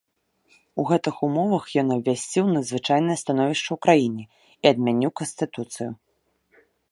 У гэтых умовах ён абвясціў надзвычайнае становішча ў краіне і адмяніў канстытуцыю.